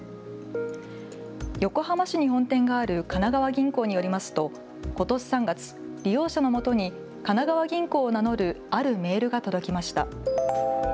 横浜市に本店がある神奈川銀行によりますとことし３月、利用者のもとに神奈川銀行を名乗るあるメールが届きました。